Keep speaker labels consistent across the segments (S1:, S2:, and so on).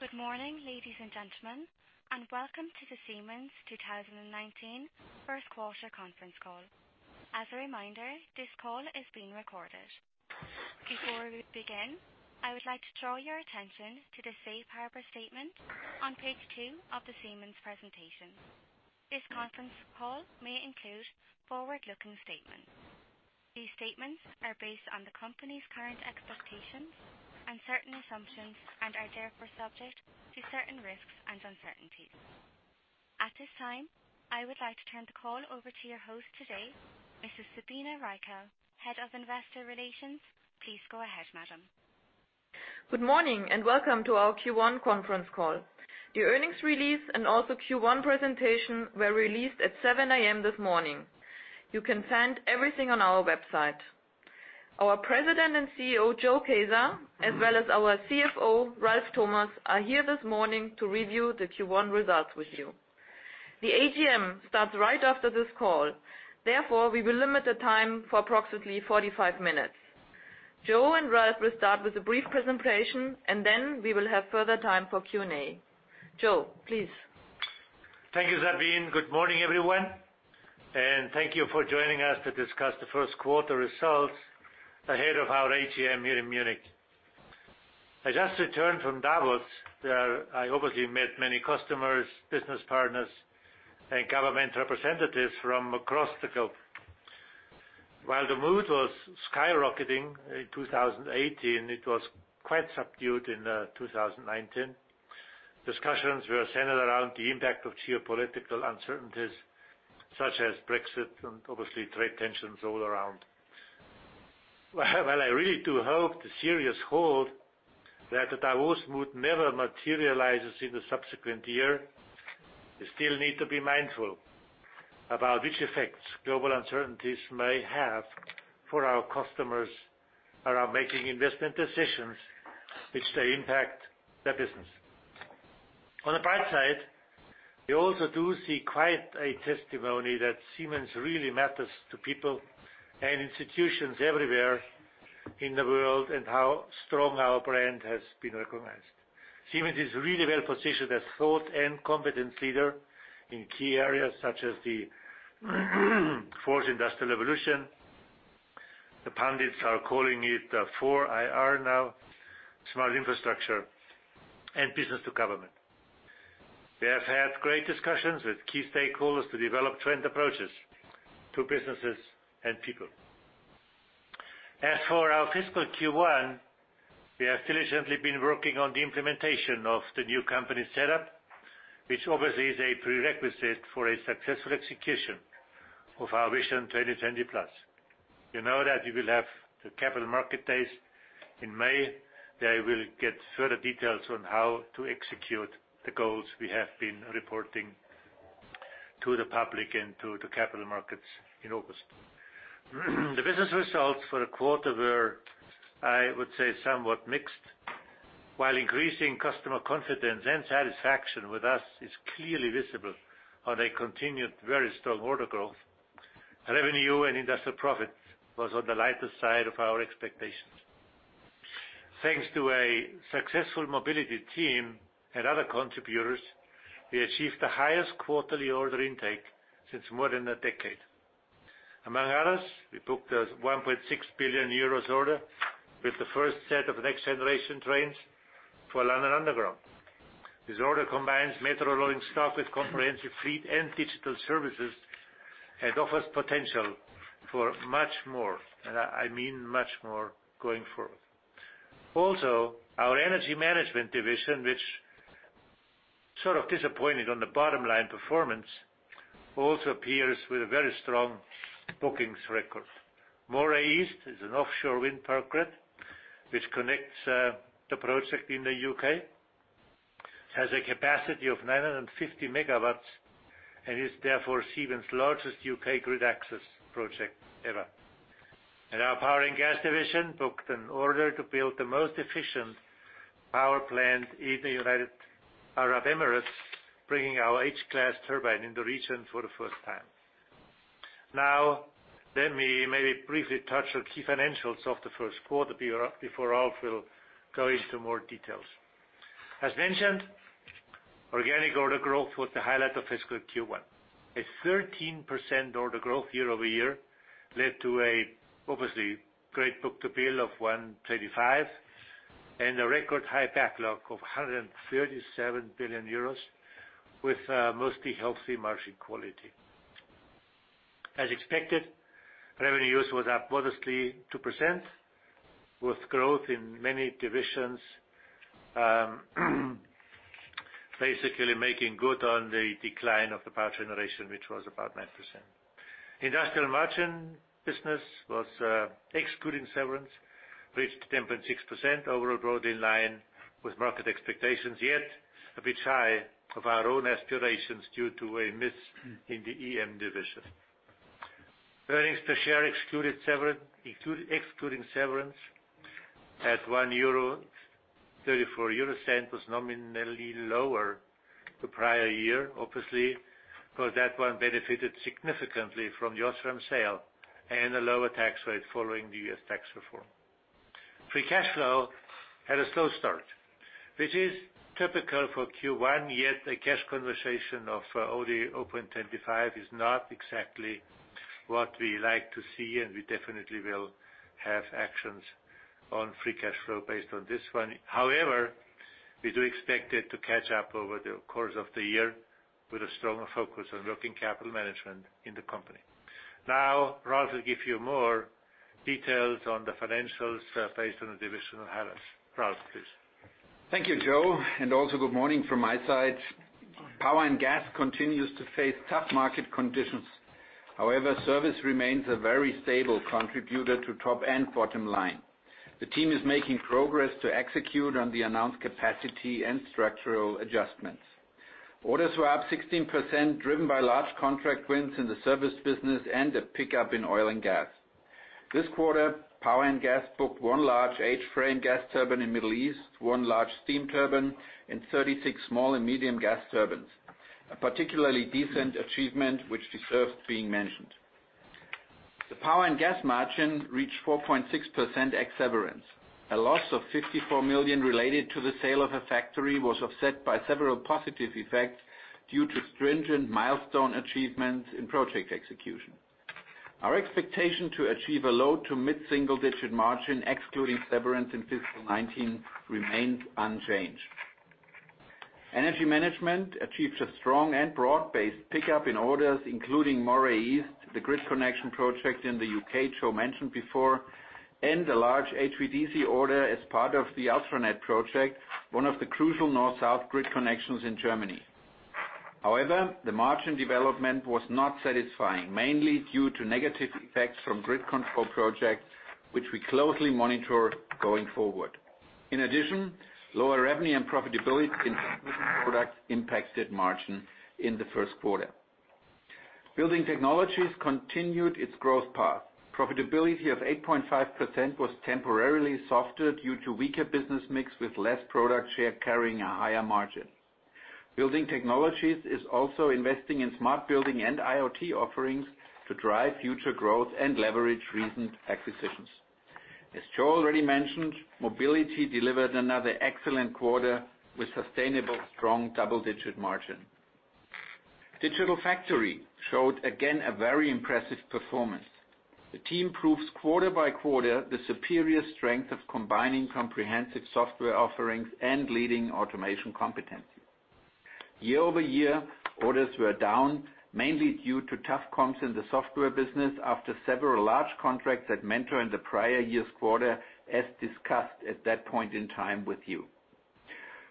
S1: Good morning, ladies and gentlemen. Welcome to the Siemens 2019 first quarter conference call. As a reminder, this call is being recorded. Before we begin, I would like to draw your attention to the safe harbor statement on page two of the Siemens presentation. This conference call may include forward-looking statements. These statements are based on the company's current expectations and certain assumptions, and are therefore subject to certain risks and uncertainties. At this time, I would like to turn the call over to your host today, Mrs. Sabine Reiter, Head of Investor Relations. Please go ahead, madam.
S2: Good morning. Welcome to our Q1 conference call. The earnings release and also Q1 presentation were released at 7:00 A.M. this morning. You can find everything on our website. Our President and CEO, Joe Kaeser, as well as our CFO, Ralf Thomas, are here this morning to review the Q1 results with you. The AGM starts right after this call. We will limit the time for approximately 45 minutes. Joe and Ralf will start with a brief presentation, and then we will have further time for Q&A. Joe, please.
S3: Thank you, Sabine. Good morning, everyone, and thank you for joining us to discuss the first quarter results ahead of our AGM here in Munich. I just returned from Davos, where I obviously met many customers, business partners, and government representatives from across the globe. While the mood was skyrocketing in 2018, it was quite subdued in 2019. Discussions were centered around the impact of geopolitical uncertainties such as Brexit and obviously trade tensions all around. While I really do hope the serious hold that the Davos mood never materializes in the subsequent year, we still need to be mindful about which effects global uncertainties may have for our customers around making investment decisions which they impact their business. On the bright side, we also do see quite a testimony that Siemens really matters to people and institutions everywhere in the world, and how strong our brand has been recognized. Siemens is really well-positioned as thought and competence leader in key areas such as the Fourth Industrial Revolution, the pundits are calling it the 4IR now, smart infrastructure, and business to government. We have had great discussions with key stakeholders to develop trend approaches to businesses and people. As for our fiscal Q1, we have diligently been working on the implementation of the new company set up, which obviously is a prerequisite for a successful execution of our Vision 2020+. You know that we will have the Capital Market Days in May. There I will get further details on how to execute the goals we have been reporting to the public and to the capital markets in August. The business results for the quarter were, I would say, somewhat mixed. While increasing customer confidence and satisfaction with us is clearly visible on a continued very strong order growth, revenue and industrial profit was on the lighter side of our expectations. Thanks to a successful Mobility team and other contributors, we achieved the highest quarterly order intake since more than a decade. Among others, we booked a 1.6 billion euros order with the first set of next-generation trains for London Underground. This order combines metro rolling stock with comprehensive fleet and digital services and offers potential for much more, and I mean much more going forward. Our Energy Management division, which sort of disappointed on the bottom line performance, also appears with a very strong bookings record. Moray East is an offshore wind farm grid, which connects the project in the U.K. It has a capacity of 950 MW and is therefore Siemens' largest U.K. grid access project ever. Our Power and Gas division booked an order to build the most efficient power plant in the United Arab Emirates, bringing our H-class turbine in the region for the first time. Let me maybe briefly touch on key financials of the first quarter before Ralf will go into more details. As mentioned, organic order growth was the highlight of fiscal Q1. A 13% order growth year-over-year led to an obviously great book-to-bill of 1.25, and a record high backlog of 137 billion euros with a mostly healthy margin quality. As expected, revenue was up modestly 2%, with growth in many divisions basically making good on the decline of the power generation, which was about 9%. Industrial margin business, excluding severance, reached 10.6% overall, broadly in line with market expectations, yet a bit high of our own aspirations due to a miss in the EM division. Earnings per share excluding severance at 1.34 euro was nominally lower the prior year, obviously, because that one benefited significantly from the Osram sale and a lower tax rate following the U.S. tax reform. Free cash flow had a slow start, which is typical for Q1, yet a cash conversion of only 0.25 is not exactly what we like to see, and we definitely will have actions on free cash flow based on this one. We do expect it to catch up over the course of the year with a stronger focus on working capital management in the company. Ralf will give you more details on the financials based on the divisional highlights. Ralf, please.
S4: Thank you, Joe. Also good morning from my side. Power and Gas continues to face tough market conditions. Service remains a very stable contributor to top and bottom line. The team is making progress to execute on the announced capacity and structural adjustments. Orders were up 16%, driven by large contract wins in the service business and a pickup in oil and gas. This quarter, Power and Gas booked one large H-class gas turbine in Middle East, one large steam turbine, and 36 small and medium gas turbines. A particularly decent achievement which deserves being mentioned. The Power and Gas margin reached 4.6% ex severance. A loss of $54 million related to the sale of a factory was offset by several positive effects due to stringent milestone achievements in project execution. Our expectation to achieve a low to mid-single-digit margin, excluding severance in fiscal 2019, remains unchanged. Energy Management achieved a strong and broad-based pickup in orders, including Moray East, the grid connection project in the U.K. Joe mentioned before, and a large HVDC order as part of the Ultranet project, one of the crucial north-south grid connections in Germany. The margin development was not satisfying, mainly due to negative effects from grid control projects, which we closely monitor going forward. Lower revenue and profitability in transition products impacted margin in the first quarter. Building Technologies continued its growth path. Profitability of 8.5% was temporarily softer due to weaker business mix with less product share carrying a higher margin. Building Technologies is also investing in smart building and IoT offerings to drive future growth and leverage recent acquisitions. As Joe already mentioned, Mobility delivered another excellent quarter with sustainable strong double-digit margin. Digital Factory showed again a very impressive performance. The team proves quarter by quarter the superior strength of combining comprehensive software offerings and leading automation competency. Year-over-year, orders were down, mainly due to tough comps in the software business after several large contracts at Mentor in the prior year's quarter, as discussed at that point in time with you.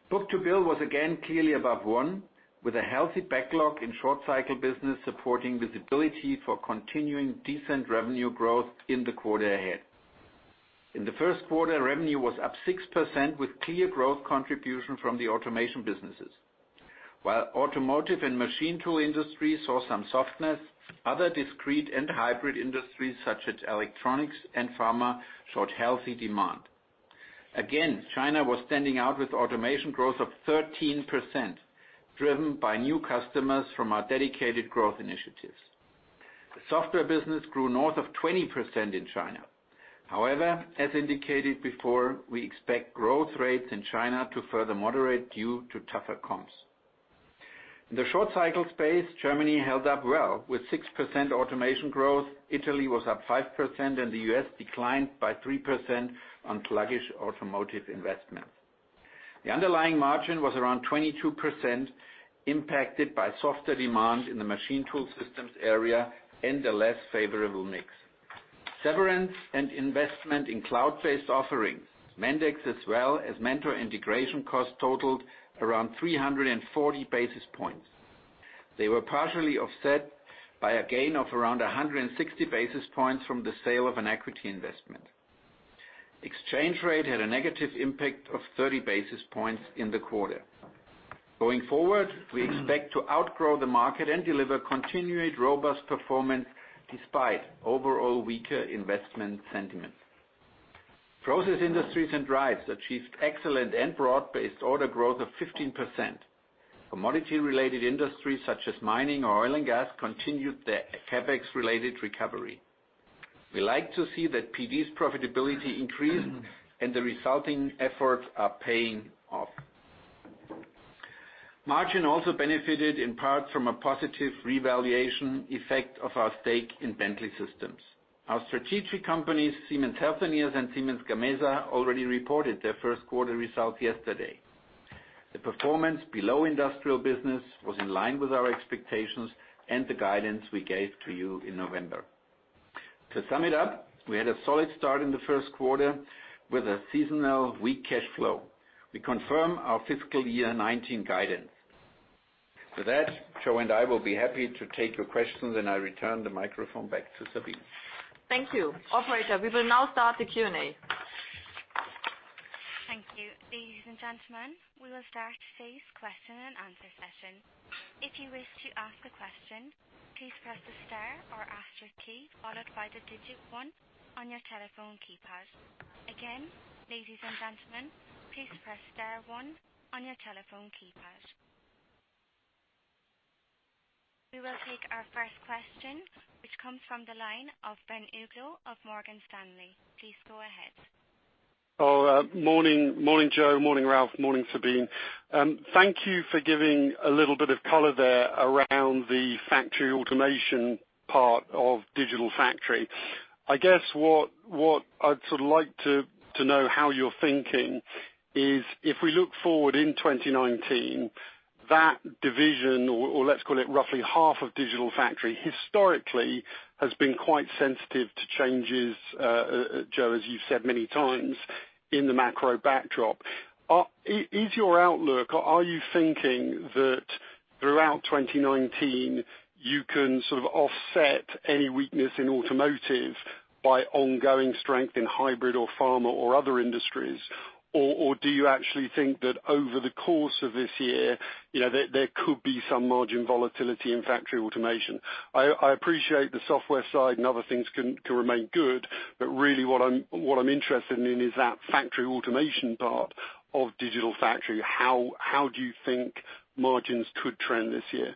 S4: Book-to-bill was again clearly above one, with a healthy backlog in short cycle business supporting visibility for continuing decent revenue growth in the quarter ahead. In the first quarter, revenue was up 6% with clear growth contribution from the automation businesses. While automotive and machine tool industry saw some softness, other discrete and hybrid industries, such as electronics and pharma, showed healthy demand. Again, China was standing out with automation growth of 13%, driven by new customers from our dedicated growth initiatives. The software business grew north of 20% in China. As indicated before, we expect growth rates in China to further moderate due to tougher comps. In the short cycle space, Germany held up well with 6% automation growth. Italy was up 5%, and the U.S. declined by 3% on sluggish automotive investment. The underlying margin was around 22%, impacted by softer demand in the machine tool systems area and a less favorable mix. Severance and investment in cloud-based offerings, Mendix as well as Mentor integration costs totaled around 340 basis points. They were partially offset by a gain of around 160 basis points from the sale of an equity investment. Exchange rate had a negative impact of 30 basis points in the quarter. Going forward, we expect to outgrow the market and deliver continued robust performance despite overall weaker investment sentiment. Process Industries and Drives achieved excellent and broad-based order growth of 15%. Commodity-related industries such as mining or oil and gas continued their CapEx-related recovery. We like to see that PD's profitability increase and the resulting efforts are paying off. Margin also benefited in part from a positive revaluation effect of our stake in Bentley Systems. Our strategic companies, Siemens Healthineers and Siemens Gamesa, already reported their first quarter results yesterday. The Performance Below Industrial business was in line with our expectations and the guidance we gave to you in November. To sum it up, we had a solid start in the first quarter with a seasonal weak cash flow. We confirm our fiscal year 2019 guidance. For that, Joe and I will be happy to take your questions, and I return the microphone back to Sabine.
S3: Thank you. Operator, we will now start the Q&A.
S1: Thank you. Ladies and gentlemen, we will start today's question and answer session. If you wish to ask a question, please press the Star or Asterisk key followed by the digit one on your telephone keypad. Again, ladies and gentlemen, please press Star one on your telephone keypad. We will take our first question, which comes from the line of Ben Uglow of Morgan Stanley. Please go ahead.
S5: Oh, morning, Joe. Morning, Ralf. Morning, Sabine. Thank you for giving a little bit of color there around the factory automation part of Digital Factory. I guess what I'd like to know how you're thinking is, if we look forward in 2019, that division, or let's call it roughly half of Digital Factory, historically has been quite sensitive to changes, Joe, as you've said many times, in the macro backdrop. Is your outlook, are you thinking that throughout 2019, you can sort of offset any weakness in automotive by ongoing strength in hybrid or pharma or other industries? Or do you actually think that over the course of this year, there could be some margin volatility in factory automation? I appreciate the software side and other things can remain good, but really what I'm interested in is that factory automation part of Digital Factory. How do you think margins could trend this year?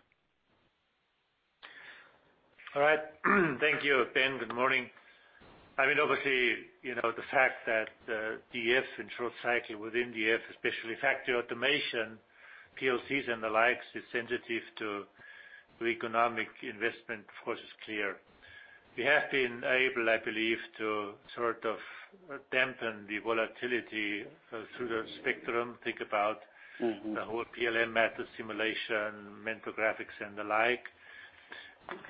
S3: All right. Thank you, Ben. Good morning. Obviously, the fact that DF, and short cycle within DF, especially factory automation, PLCs and the likes, is sensitive to the economic investment, of course, is clear. We have been able, I believe, to sort of dampen the volatility through the spectrum. The whole PLM method simulation, Mentor Graphics and the like.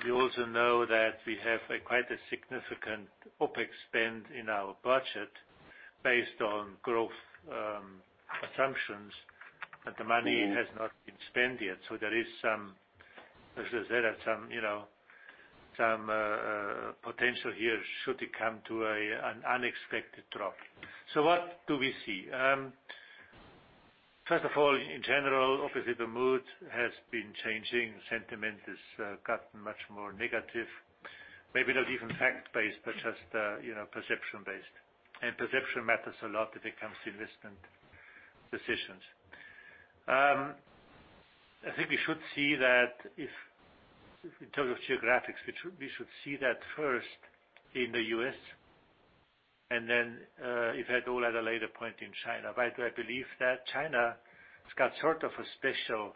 S3: We also know that we have a quite a significant OPEX spend in our budget based on growth assumptions, that the money has not been spent yet. There is some, as I said, some potential here should it come to an unexpected drop. What do we see? First of all, in general, obviously the mood has been changing. Sentiment has gotten much more negative, maybe not even fact-based, but just perception-based, and perception matters a lot if it comes to investment decisions. I think in terms of geographics, we should see that first in the U.S. and then, if at all, at a later point in China. Why do I believe that? China has got sort of a special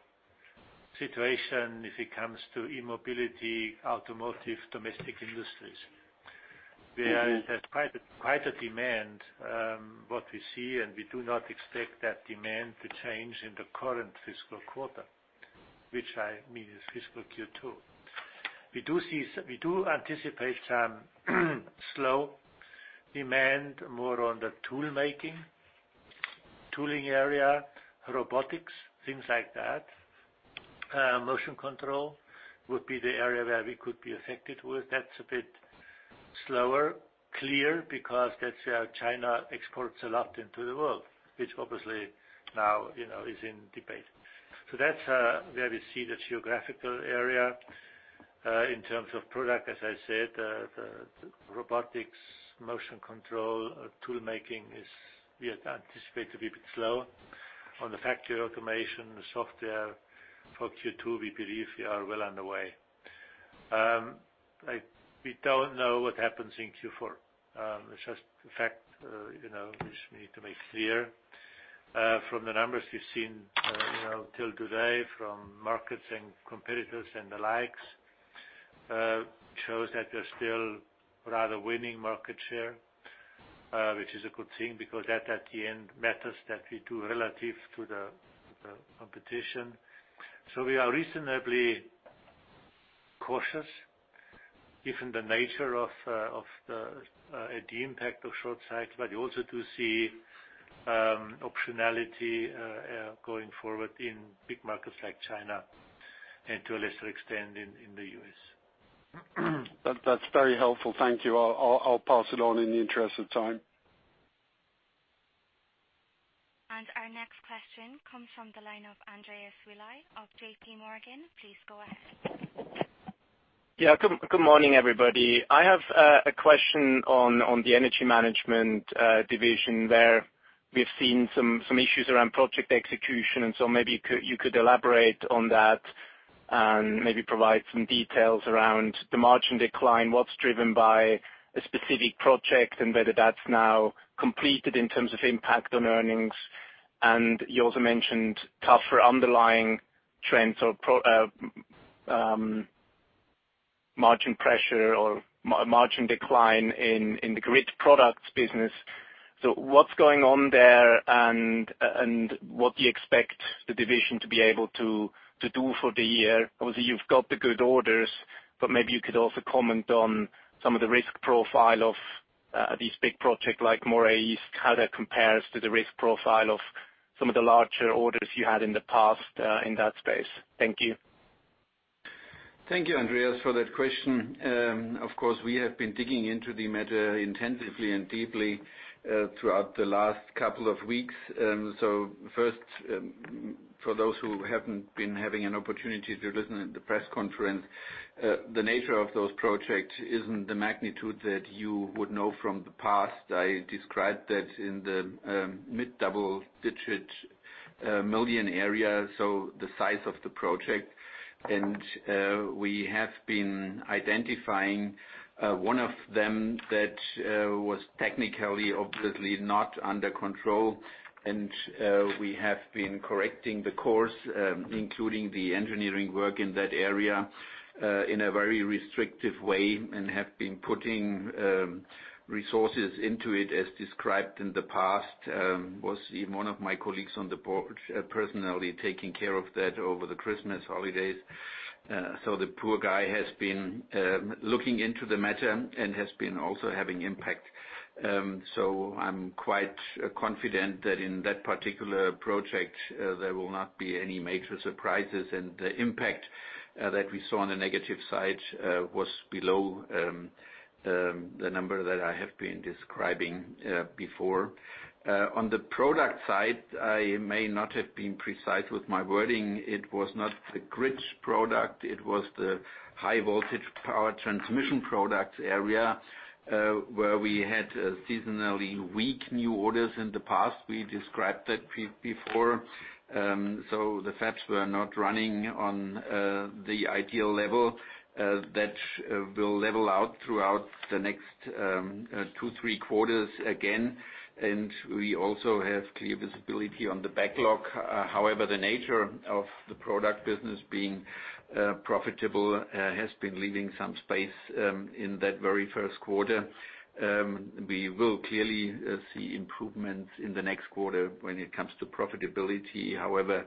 S3: situation if it comes to e-mobility, automotive, domestic industries. There is quite a demand, what we see, and we do not expect that demand to change in the current fiscal quarter, which I mean is fiscal Q2. We do anticipate some slow demand, more on the toolmaking, tooling area, robotics, things like that. Motion control would be the area where we could be affected with. That's a bit slower, clear, because that's where China exports a lot into the world, which obviously now is in debate. That's where we see the geographical area. In terms of product, as I said, the robotics, motion control, toolmaking is, we anticipate to be a bit slow. On the factory automation software for Q2, we believe we are well underway. We don't know what happens in Q4. It's just a fact, which we need to make clear. From the numbers you've seen till today from markets and competitors and the likes, shows that we're still rather winning market share, which is a good thing because that at the end matters that we do relative to the competition. We are reasonably cautious given the nature of the impact of short cycle, but you also do see optionality going forward in big markets like China and to a lesser extent in the U.S.
S5: That's very helpful. Thank you. I'll pass it on in the interest of time.
S1: Our next question comes from the line of Andreas Willi of JPMorgan. Please go ahead.
S6: Good morning, everybody. I have a question on the Energy Management division, where we've seen some issues around project execution. Maybe you could elaborate on that and maybe provide some details around the margin decline, what's driven by a specific project, and whether that's now completed in terms of impact on earnings. You also mentioned tougher underlying trends or margin pressure or margin decline in the grid products business. What's going on there, and what do you expect the division to be able to do for the year? Obviously, you've got the good orders, but maybe you could also comment on some of the risk profile of these big projects like Moray East, how that compares to the risk profile of some of the larger orders you had in the past in that space. Thank you.
S4: Thank you, Andreas, for that question. Of course, we have been digging into the matter intensively and deeply throughout the last couple of weeks. First, for those who haven't been having an opportunity to listen in the press conference, the nature of those projects isn't the magnitude that you would know from the past. I described that in the EUR mid-double-digit million area, the size of the project. We have been identifying one of them that was technically, obviously not under control. We have been correcting the course, including the engineering work in that area, in a very restrictive way, and have been putting resources into it as described in the past. Was even one of my colleagues on the board personally taking care of that over the Christmas holidays. The poor guy has been looking into the matter and has been also having impact. I'm quite confident that in that particular project, there will not be any major surprises. The impact that we saw on the negative side was below the number that I have been describing before. On the product side, I may not have been precise with my wording. It was not the grids product. It was the high voltage power transmission product area, where we had seasonally weak new orders in the past. We described that before. The fabs were not running on the ideal level. That will level out throughout the next two, three quarters again, and we also have clear visibility on the backlog. However, the nature of the product business being profitable has been leaving some space in that very first quarter. We will clearly see improvements in the next quarter when it comes to profitability. However,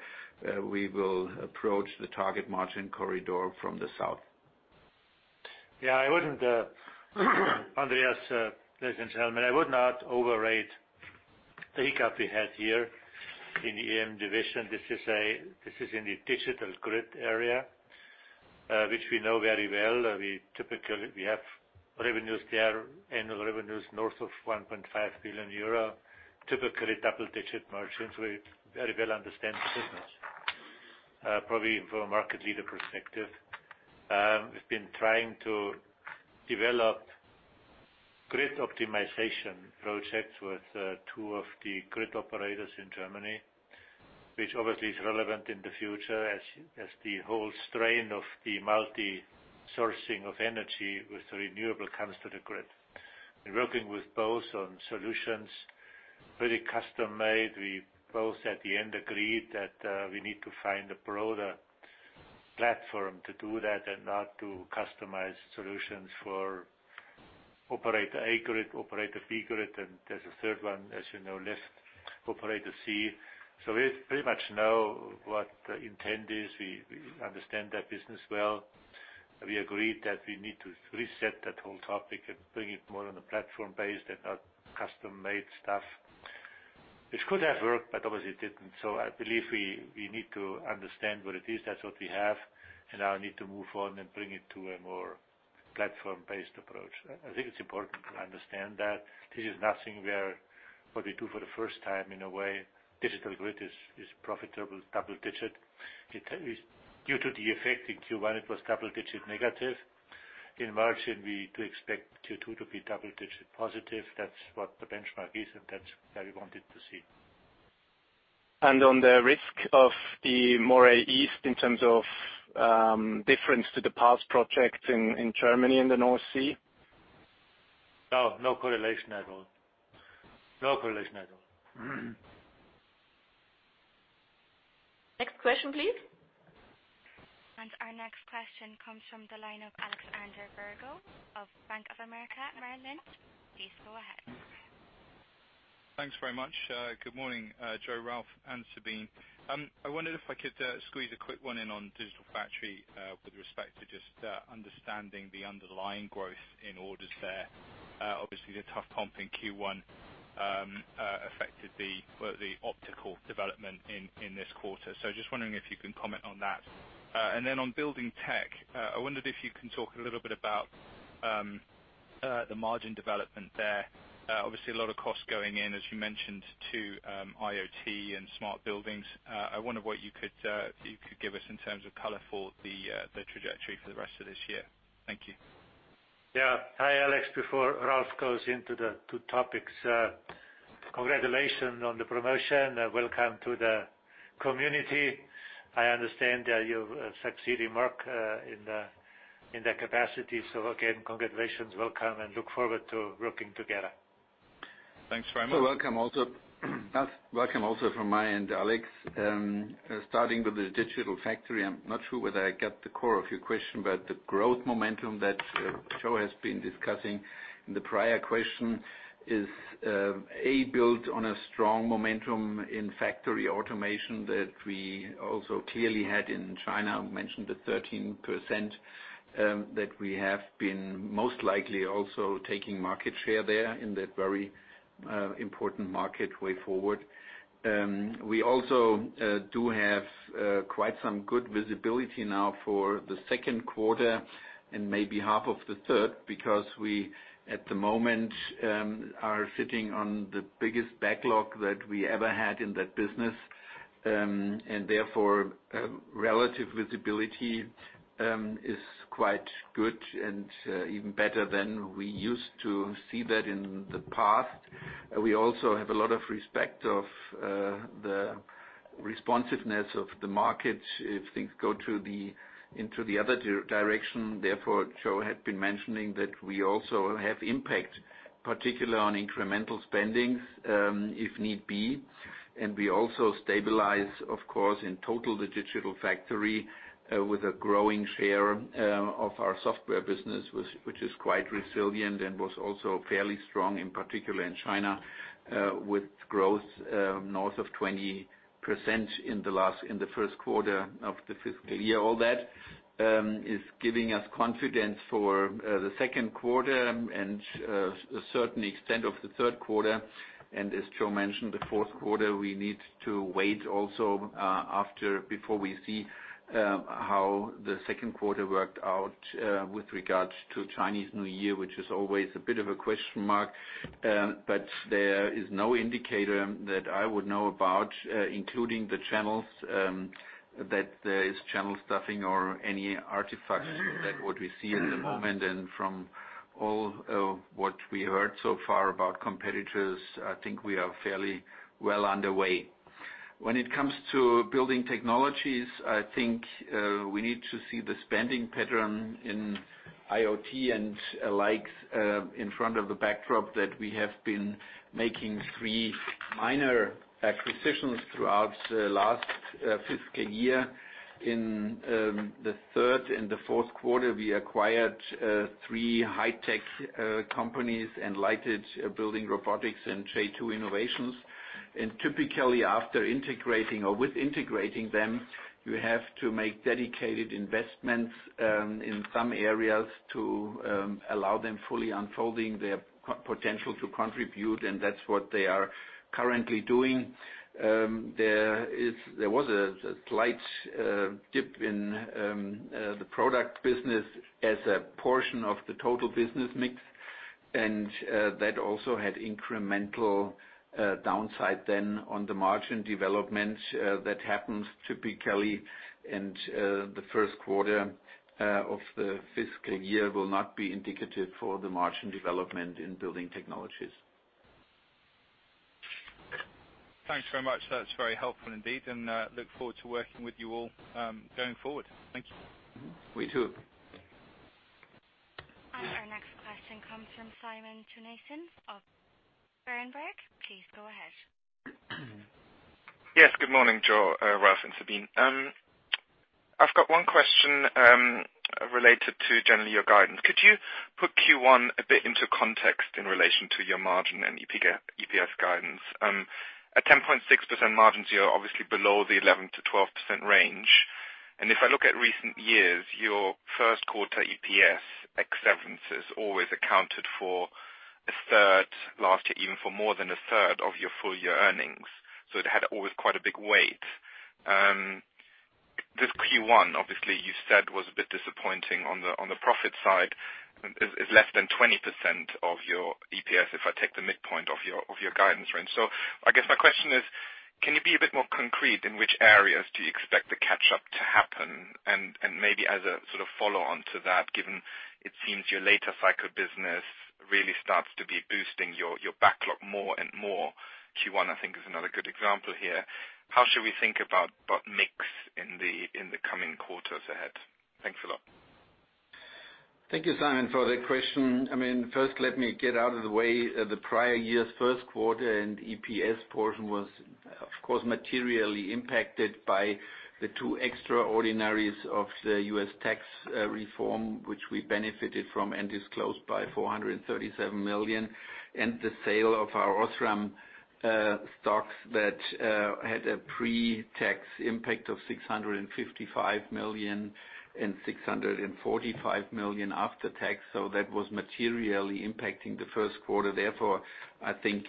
S4: we will approach the target margin corridor from the south.
S3: Andreas, ladies and gentlemen, I would not overrate the hiccup we had here in the EM division. This is in the digital grid area, which we know very well. We have revenues there, annual revenues north of 1.5 billion euro, typically double-digit margins. We very well understand the business. Probably from a market leader perspective. We've been trying to develop grid optimization projects with two of the grid operators in Germany, which obviously is relevant in the future as the whole strain of the multi-sourcing of energy with renewable comes to the grid. We're working with both on solutions, pretty custom-made. We both at the end agreed that we need to find a broader platform to do that and not to customize solutions for operator A grid, operator B grid, and there's a third one, as you know, let's operator C. We pretty much know what the intent is. We understand that business well. We agreed that we need to reset that whole topic and bring it more on a platform base and not custom-made stuff, which could have worked, but obviously it didn't. I believe we need to understand what it is. That's what we have, and now need to move on and bring it to a more platform-based approach. I think it's important to understand that this is nothing we are what we do for the first time. In a way, digital grid is profitable, double-digit. Due to the effect in Q1, it was double-digit negative. In margin, we do expect Q2 to be double-digit positive. That's what the benchmark is, and that's what we wanted to see.
S6: On the risk of the Moray East in terms of difference to the past projects in Germany in the North Sea?
S3: No correlation at all. No correlation at all.
S2: Next question, please.
S1: Our next question comes from the line of Alexander Virgo of Bank of America Merrill Lynch. Please go ahead.
S7: Thanks very much. Good morning, Joe, Ralf, and Sabine. I wondered if I could squeeze a quick one in on Digital Factory, with respect to just understanding the underlying growth in orders there. Obviously, the tough comp in Q1 affected the optical development in this quarter. Just wondering if you can comment on that. Then on Building Tech, I wondered if you can talk a little bit about the margin development there. Obviously, a lot of costs going in, as you mentioned too, IoT and smart buildings. I wonder what you could give us in terms of color for the trajectory for the rest of this year. Thank you.
S3: Hi, Alex. Before Ralf goes into the two topics, congratulations on the promotion. Welcome to the community. I understand that you're succeeding Mark in that capacity. Again, congratulations, welcome, and look forward to working together.
S7: Thanks very much.
S4: Welcome also from my end, Alex. Starting with the Digital Factory, I'm not sure whether I get the core of your question, but the growth momentum that Joe has been discussing in the prior question is, A, built on a strong momentum in factory automation that we also clearly had in China, mentioned the 13%That we have been most likely also taking market share there in that very important market way forward. We also do have quite some good visibility now for the second quarter and maybe half of the third, because we, at the moment, are sitting on the biggest backlog that we ever had in that business. Therefore, relative visibility is quite good and even better than we used to see that in the past. We also have a lot of respect of the responsiveness of the market if things go into the other direction. Therefore, Joe had been mentioning that we also have impact, particularly on incremental spendings, if need be. We also stabilize, of course, in total the Digital Factory with a growing share of our software business, which is quite resilient and was also fairly strong, in particular in China, with growth north of 20% in the first quarter of the fiscal year. All that is giving us confidence for the second quarter and a certain extent of the third quarter. As Joe mentioned, the fourth quarter, we need to wait also before we see how the second quarter worked out with regards to Chinese New Year, which is always a bit of a question mark. There is no indicator that I would know about, including the channels, that there is channel stuffing or any artifacts like what we see at the moment. From all what we heard so far about competitors, I think we are fairly well underway. When it comes to Building Technologies, I think we need to see the spending pattern in IoT and the likes in front of the backdrop that we have been making three minor acquisitions throughout the last fiscal year. In the third and the fourth quarter, we acquired three high-tech companies: Enlighted, Building Robotics, and J2 Innovations. Typically, after integrating or with integrating them, you have to make dedicated investments in some areas to allow them fully unfolding their potential to contribute. That's what they are currently doing. There was a slight dip in the product business as a portion of the total business mix. That also had incremental downside then on the margin development. That happens typically in the first quarter of the fiscal year will not be indicative for the margin development in Building Technologies.
S7: Thanks very much. That's very helpful indeed. Look forward to working with you all going forward. Thank you.
S4: Me too.
S1: Our next question comes from Simon Toennessen of Berenberg. Please go ahead.
S8: Yes, good morning, Joe, Ralf, and Sabine. I've got one question related to generally your guidance. Could you put Q1 a bit into context in relation to your margin and EPS guidance? At 10.6% margins, you're obviously below the 11%-12% range. If I look at recent years, your first quarter EPS, ex-severances, always accounted for a third, last year even for more than a third of your full year earnings. It had always quite a big weight. This Q1, obviously, you said was a bit disappointing on the profit side, is less than 20% of your EPS, if I take the midpoint of your guidance range. I guess my question is, can you be a bit more concrete in which areas do you expect the catch-up to happen? Maybe as a sort of follow-on to that, given it seems your later cycle business really starts to be boosting your backlog more and more. Q1 I think is another good example here. How should we think about mix in the coming quarters ahead? Thanks a lot.
S4: Thank you, Simon, for the question. First let me get out of the way, the prior year's first quarter and EPS portion was, of course, materially impacted by the two extraordinaries of the U.S. tax reform, which we benefited from and disclosed by 437 million, and the sale of our Osram stocks that had a pre-tax impact of 655 million and 645 million after tax. That was materially impacting the first quarter. I think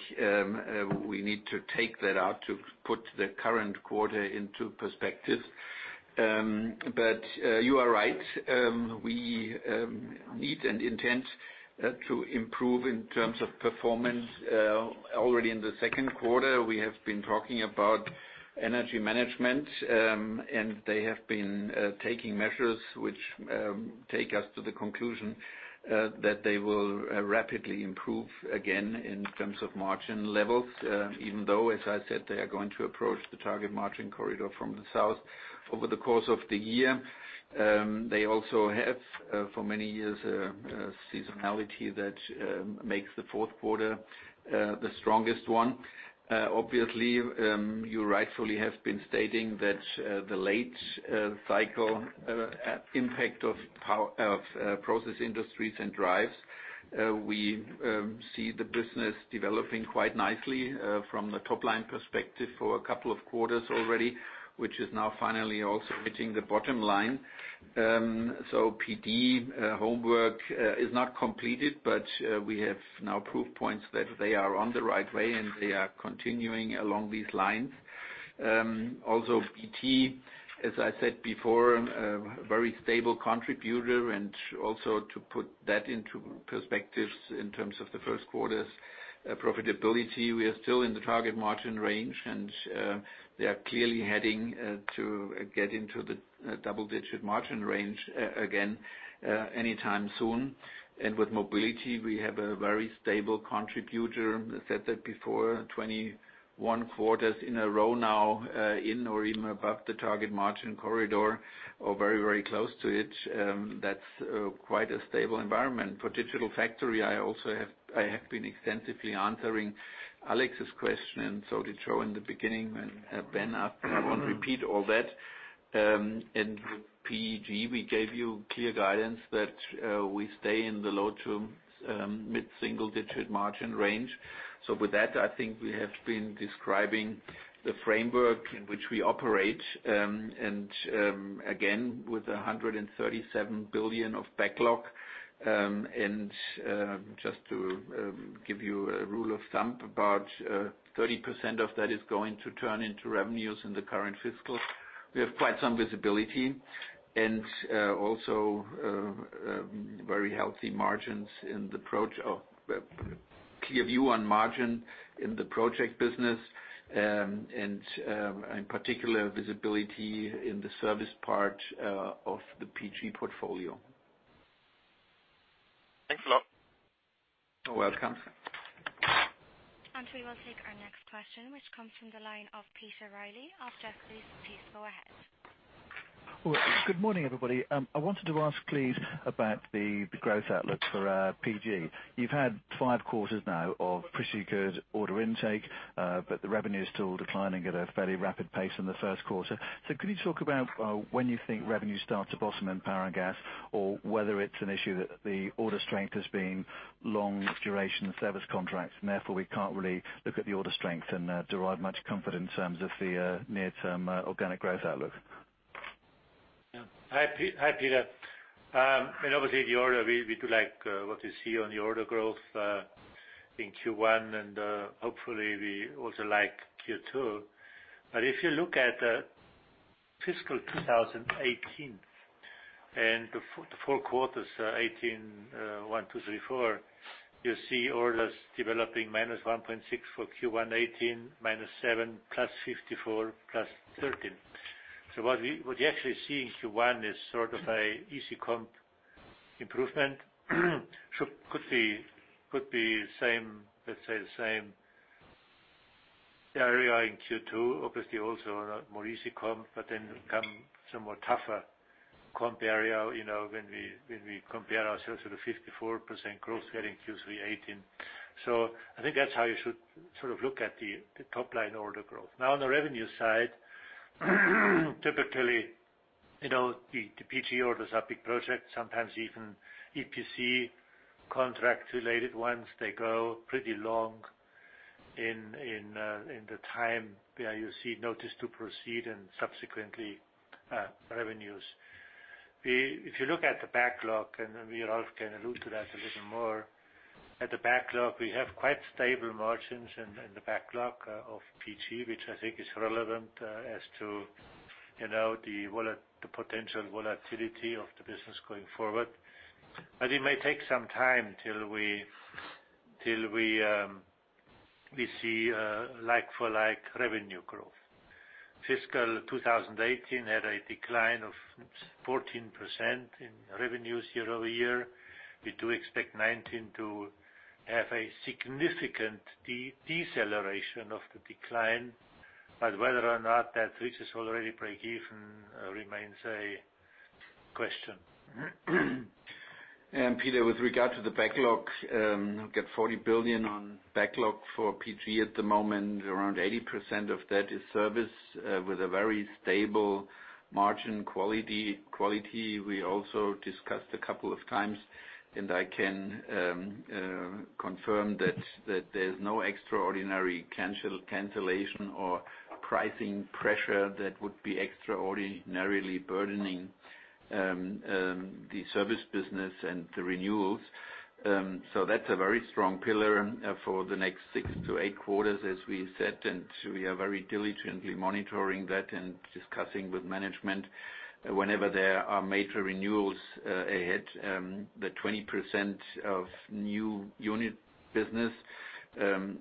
S4: we need to take that out to put the current quarter into perspective. You are right. We need and intend to improve in terms of performance. Already in the second quarter, we have been talking about Energy Management, and they have been taking measures which take us to the conclusion that they will rapidly improve again in terms of margin levels. As I said, they are going to approach the target margin corridor from the south over the course of the year. They also have, for many years, a seasonality that makes the fourth quarter the strongest one. Obviously, you rightfully have been stating that the late cycle impact of Process Industries and Drives. We see the business developing quite nicely from the top-line perspective for a couple of quarters already, which is now finally also hitting the bottom line. PD homework is not completed, but we have now proof points that they are on the right way, and they are continuing along these lines. PG, as I said before, a very stable contributor. To put that into perspective in terms of the first quarter's profitability, we are still in the target margin range, and they are clearly heading to get into the double-digit margin range again anytime soon. With Mobility, we have a very stable contributor. I said that before, 21 quarters in a row now in or even above the target margin corridor or very close to it. That's quite a stable environment. For Digital Factory, I have been extensively answering Alex's question, and so did Joe in the beginning, and Ben. I won't repeat all that. With PG, we gave you clear guidance that we stay in the low to mid-single-digit margin range. With that, I think we have been describing the framework in which we operate. Again, with 137 billion of backlog. Just to give you a rule of thumb, about 30% of that is going to turn into revenues in the current fiscal. We have quite some visibility and also very healthy margins in the approach of clear view on margin in the project business. In particular, visibility in the service part of the PG portfolio.
S8: Thanks a lot.
S4: You're welcome.
S1: We will take our next question, which comes from the line of Peter Reilly of Jefferies. Please go ahead.
S9: Well, good morning, everybody. I wanted to ask, please, about the growth outlook for PG. You've had five quarters now of pretty good order intake, but the revenue is still declining at a fairly rapid pace in the first quarter. Could you talk about when you think revenue start to bottom in Power and Gas or whether it's an issue that the order strength has been long duration service contracts, and therefore we can't really look at the order strength and derive much comfort in terms of the near-term organic growth outlook?
S3: Hi, Peter. Obviously, the order, we do like what we see on the order growth in Q1. Hopefully, we also like Q2. If you look at fiscal 2018 and the four quarters 2018, 1, 2, 3, 4, you see orders developing -1.6% for Q1 2018, -7%, +54%, +13%. What you actually see in Q1 is sort of an easy comp improvement. Could be the same, let's say the same area in Q2, obviously also on a more easy comp. Then come some more tougher comp area when we compare ourselves to the 54% growth here in Q3 2018. I think that's how you should sort of look at the top line order growth. On the revenue side, typically, the PG orders are big projects, sometimes even EPC contract-related ones. They go pretty long in the time where you see notice to proceed and subsequently, revenues. If you look at the backlog, and maybe Ralf can allude to that a little more. At the backlog, we have quite stable margins in the backlog of PG, which I think is relevant as to the potential volatility of the business going forward. It may take some time till we see a like-for-like revenue growth. Fiscal 2018 had a decline of 14% in revenues year-over-year. We do expect 2019 to have a significant deceleration of the decline, whether or not that reaches already break even remains a question.
S4: Peter, with regard to the backlog, we've got 40 billion on backlog for PG at the moment. Around 80% of that is service with a very stable margin quality. We also discussed a couple of times, I can confirm that there's no extraordinary cancellation or pricing pressure that would be extraordinarily burdening the service business and the renewals. That's a very strong pillar for the next six to eight quarters, as we said. We are very diligently monitoring that and discussing with management whenever there are major renewals ahead. The 20% of new unit business,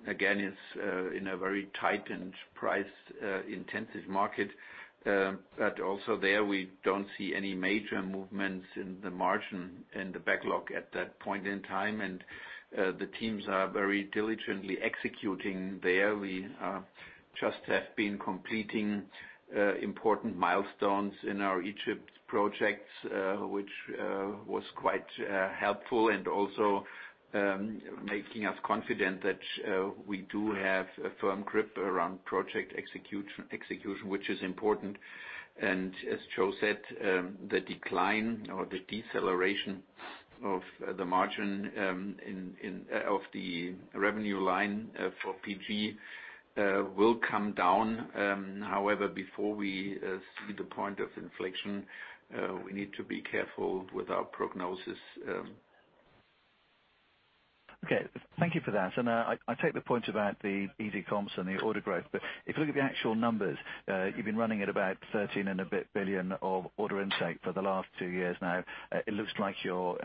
S4: again, is in a very tight and price-intensive market. Also there, we don't see any major movements in the margin in the backlog at that point in time. The teams are very diligently executing there. We just have been completing important milestones in our Egypt projects, which was quite helpful and also making us confident that we do have a firm grip around project execution, which is important. As Joe said, the decline or the deceleration
S3: Of the margin of the revenue line for PG will come down. Before we see the point of inflection, we need to be careful with our prognosis.
S9: Okay. Thank you for that. I take the point about the easy comps and the order growth. If you look at the actual numbers, you've been running at about 13 billion and a bit of order intake for the last two years now. It looks like you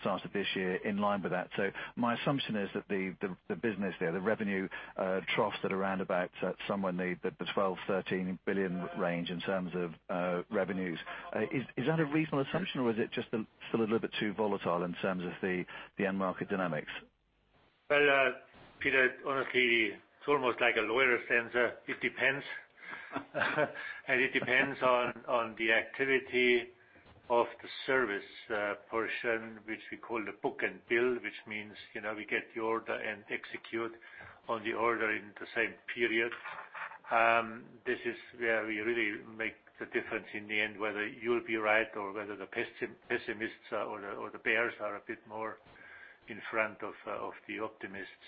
S9: started this year in line with that. My assumption is that the business there, the revenue troughs at around about somewhere in the 12 billion-13 billion range in terms of revenues. Is that a reasonable assumption or is it just still a little bit too volatile in terms of the end market dynamics?
S3: Well, Peter, honestly, it's almost like a lawyer's answer. It depends. It depends on the activity of the service portion, which we call the book and bill, which means we get the order and execute on the order in the same period. This is where we really make the difference in the end, whether you'll be right or whether the pessimists or the bears are a bit more in front of the optimists.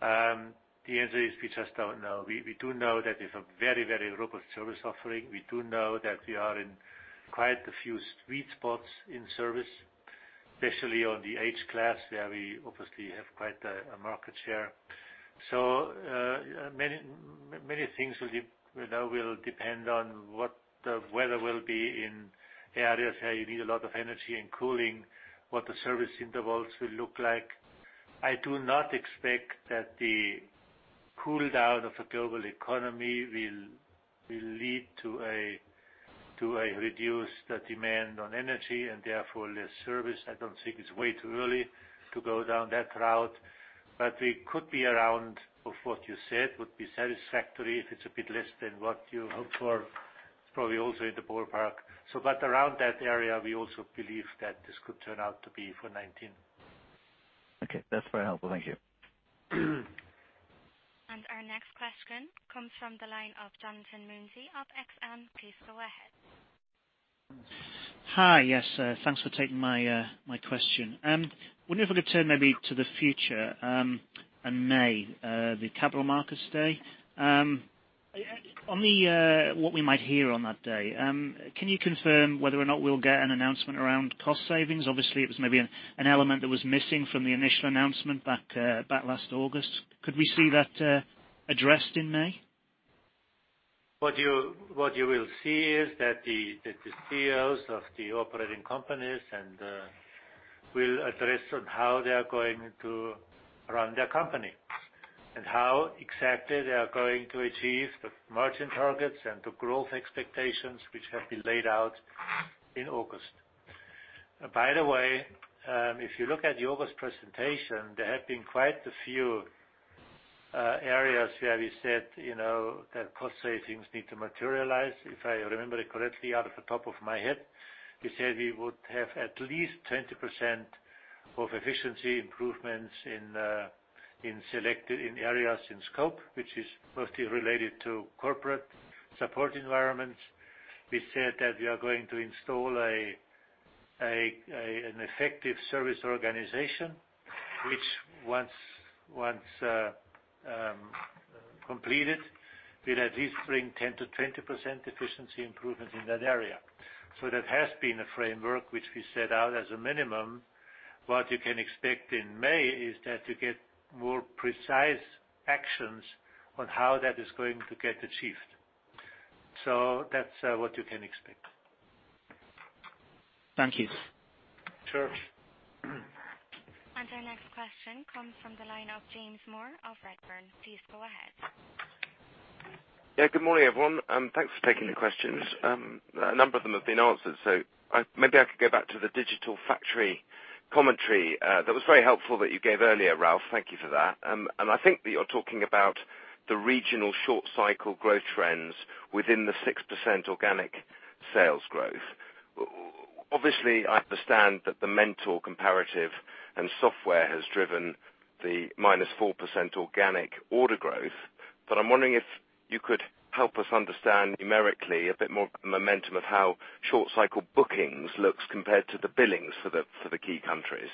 S3: The answer is we just don't know. We do know that it's a very, very robust service offering. We do know that we are in quite a few sweet spots in service, especially on the H-class, where we obviously have quite a market share. Many things will depend on what the weather will be in areas where you need a lot of energy and cooling, what the service intervals will look like. I do not expect that the cool down of the global economy will lead to a reduced demand on energy and therefore less service. I don't think it's way too early to go down that route. We could be around of what you said would be satisfactory if it's a bit less than what you hoped for, probably also in the ballpark. Around that area, we also believe that this could turn out to be for 2019.
S9: Okay. That's very helpful. Thank you.
S1: Our next question comes from the line of Jonathan Mounsey of Exane. Please go ahead.
S10: Hi. Yes, thanks for taking my question. Wondering if I could turn maybe to the future, on May, the Capital Market Day. On what we might hear on that day, can you confirm whether or not we'll get an announcement around cost savings? Obviously, it was maybe an element that was missing from the initial announcement back last August. Could we see that addressed in May?
S3: What you will see is that the CEOs of the operating companies will address on how they are going to run their company and how exactly they are going to achieve the margin targets and the growth expectations which have been laid out in August. By the way, if you look at the August presentation, there have been quite a few areas where we said that cost savings need to materialize. If I remember it correctly out of the top of my head, we said we would have at least 20% of efficiency improvements in selected areas in scope, which is mostly related to corporate support environments. We said that we are going to install an effective service organization, which once completed, will at least bring 10%-20% efficiency improvement in that area. That has been a framework which we set out as a minimum. What you can expect in May is that you get more precise actions on how that is going to get achieved. That's what you can expect.
S10: Thank you.
S3: Sure.
S1: Our next question comes from the line of James Moore of Redburn. Please go ahead.
S11: Yeah. Good morning, everyone. Thanks for taking the questions. A number of them have been answered, maybe I could go back to the Digital Factory commentary. That was very helpful that you gave earlier, Ralf. Thank you for that. I think that you're talking about the regional short cycle growth trends within the 6% organic sales growth. Obviously, I understand that the Mentor comparative and software has driven the minus 4% organic order growth. I am wondering if you could help us understand numerically a bit more momentum of how short cycle bookings looks compared to the billings for the key countries.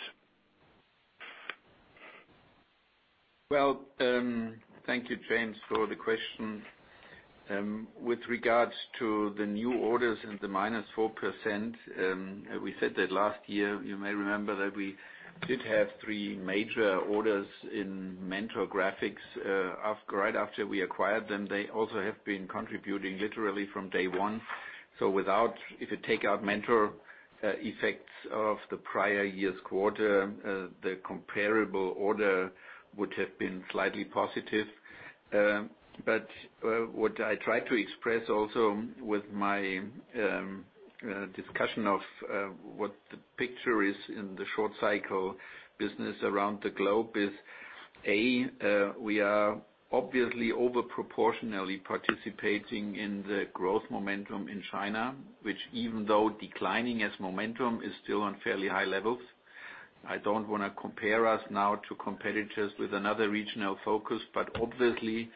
S4: Well, thank you, James, for the question. With regards to the new orders and the minus 4%, we said that last year, you may remember that we did have three major orders in Mentor Graphics right after we acquired them. They also have been contributing literally from day one. If you take out Mentor effects of the prior year's quarter, the comparable order would have been slightly positive. What I try to express also with my discussion of what the picture is in the short cycle business around the globe is, A, we are obviously over proportionally participating in the growth momentum in China, which even though declining as momentum is still on fairly high levels. I don't want to compare us now to competitors with another regional focus, but obviously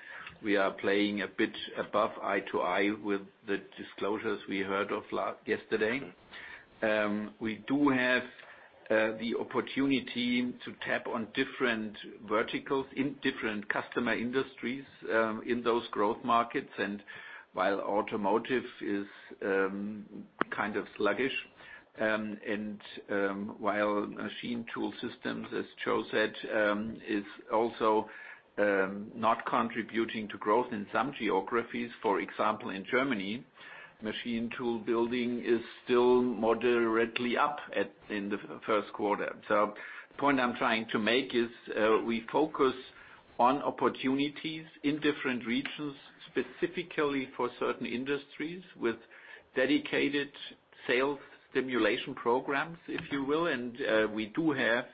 S4: we are playing a bit above eye to eye with the disclosures we heard of yesterday. We do have the opportunity to tap on different verticals in different customer industries in those growth markets. While automotive is kind of sluggish and while machine tool systems, as Joe said, is also not contributing to growth in some geographies, for example, in Germany, machine tool building is still moderately up in the first quarter. The point I'm trying to make is we focus on opportunities in different regions, specifically for certain industries with dedicated sales stimulation programs, if you will. We do have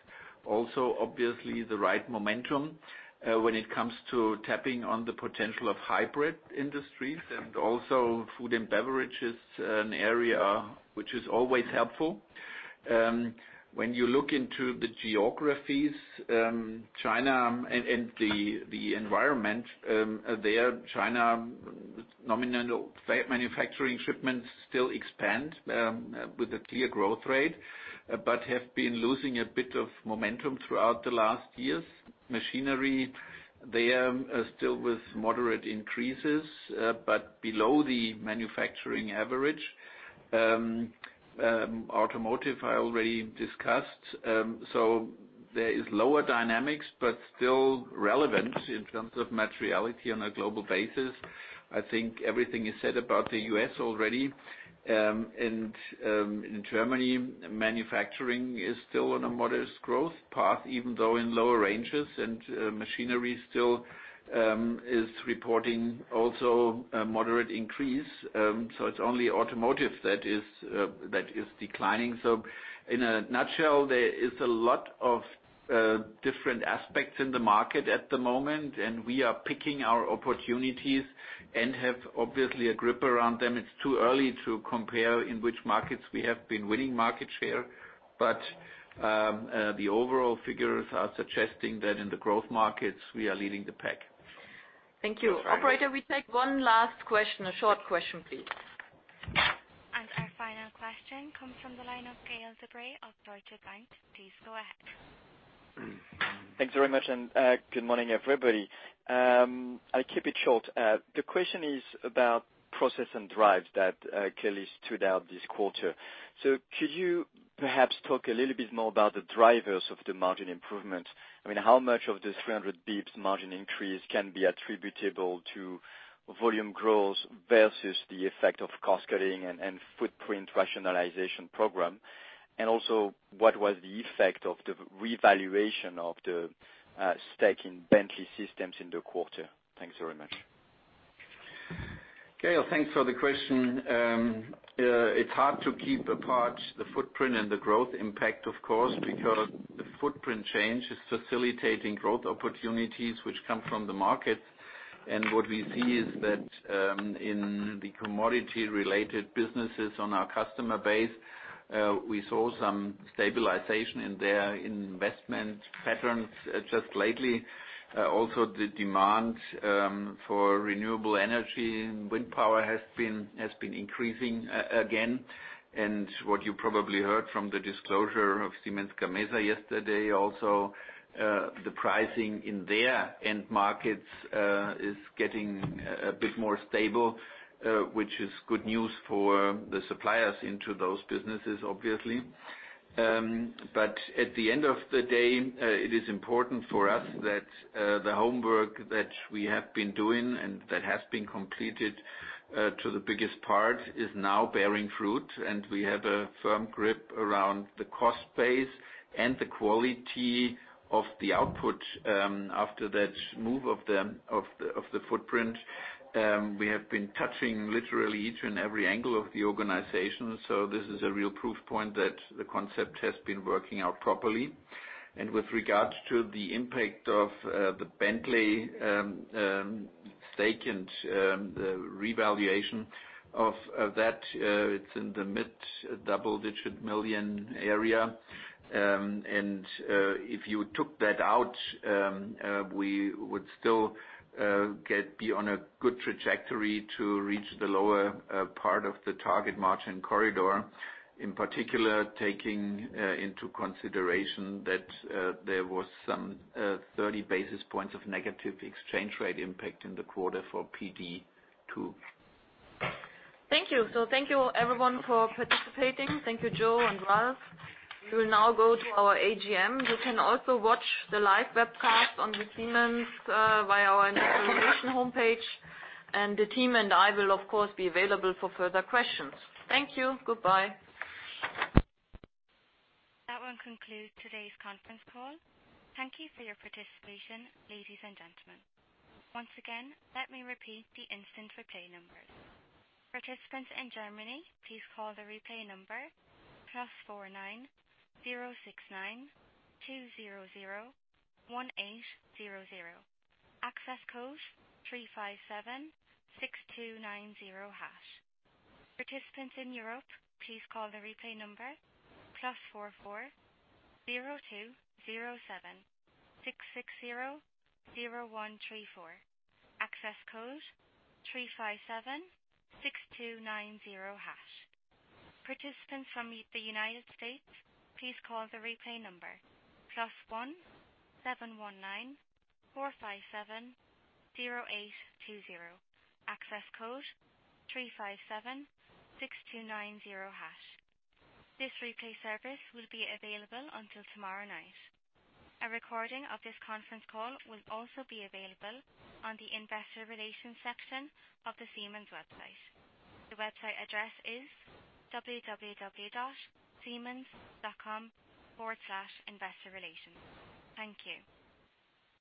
S4: also, obviously, the right momentum when it comes to tapping on the potential of hybrid industries and also food and beverage is an area which is always helpful. When you look into the geographies, China and the environment there, China nominal manufacturing shipments still expand with a clear growth rate, but have been losing a bit of momentum throughout the last years. Machinery there still with moderate increases, but below the manufacturing average. Automotive, I already discussed. There is lower dynamics, but still relevant in terms of materiality on a global basis. I think everything is said about the U.S. already. In Germany, manufacturing is still on a modest growth path, even though in lower ranges, and machinery still is reporting also a moderate increase. It's only automotive that is declining. In a nutshell, there is a lot of different aspects in the market at the moment, and we are picking our opportunities and have obviously a grip around them. It's too early to compare in which markets we have been winning market share, but the overall figures are suggesting that in the growth markets, we are leading the pack.
S2: Thank you. Operator, we take one last question, a short question, please.
S1: Our final question comes from the line of Gael de-Bray of Deutsche Bank. Please go ahead.
S12: Thanks very much, and good morning, everybody. I keep it short. The question is about Process and Drives that clearly stood out this quarter. Could you perhaps talk a little bit more about the drivers of the margin improvement? I mean, how much of this 300 basis points margin increase can be attributable to volume growth versus the effect of cost-cutting and footprint rationalization program? What was the effect of the revaluation of the stake in Bentley Systems in the quarter? Thanks very much.
S4: Gael, thanks for the question. It's hard to keep apart the footprint and the growth impact, of course, because the footprint change is facilitating growth opportunities which come from the market. What we see is that in the commodity-related businesses on our customer base, we saw some stabilization in their investment patterns just lately. Also, the demand for renewable energy and wind power has been increasing again. What you probably heard from the disclosure of Siemens Gamesa yesterday also, the pricing in their end markets is getting a bit more stable, which is good news for the suppliers into those businesses, obviously. At the end of the day, it is important for us that the homework that we have been doing and that has been completed to the biggest part is now bearing fruit, and we have a firm grip around the cost base and the quality of the output after that move of the footprint. We have been touching literally each and every angle of the organization. This is a real proof point that the concept has been working out properly. With regards to the impact of the Bentley stake and the revaluation of that, it's in the mid-double-digit million EUR area. If you took that out, we would still be on a good trajectory to reach the lower part of the target margin corridor, in particular, taking into consideration that there was some 30 basis points of negative exchange rate impact in the quarter for PD, too.
S2: Thank you. Thank you, everyone, for participating. Thank you, Joe and Ralf. We will now go to our AGM. You can also watch the live webcast on Siemens via our investor relations homepage, and the team and I will, of course, be available for further questions. Thank you. Goodbye.
S1: That will conclude today's conference call. Thank you for your participation, ladies and gentlemen. Once again, let me repeat the instant replay numbers. Participants in Germany, please call the replay number +49 069 2001800. Access code 3576290#. Participants in Europe, please call the replay number +44 0207 6600134. Access code 3576290#. Participants from the United States, please call the replay number +1 719 457 0820. Access code 3576290#. This replay service will be available until tomorrow night. A recording of this conference call will also be available on the investor relations section of the Siemens website. The website address is www.siemens.com/investorrelations. Thank you.